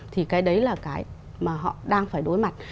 thì cái đấy là cái mà họ đang phải đối mặt